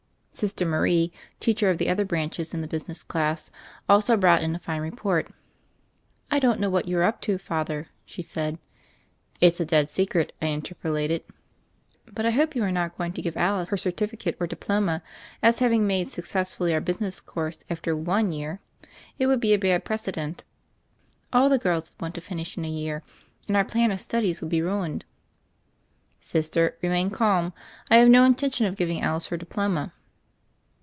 Sister Marie, teacher of the other branches in the business class, also brought in a fine re port. "I don't know what you are up to. Father," she said. "It's a dead secret," I interpolated. 197 198 THE FAIRY OF THE SNOWS "But I hope you are not going to give Alice her Certificate or Diploma, as having made suc cessfully our business course after one year; it would be a bad precedent. All the girls would want to finish in a year, and our plan of studies would be ruined." "Sister, remain calm: I have no intention of giving Alice her diploma."